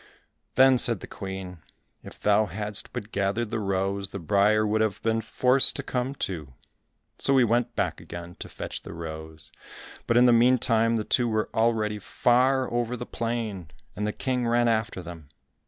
Then said the Queen, "If thou hadst but gathered the rose, the briar would have been forced to come too." So he went back again to fetch the rose, but in the meantime the two were already far over the plain, and the King ran after them.